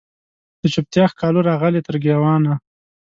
د چوپتیا ښکالو راغلې تر ګریوانه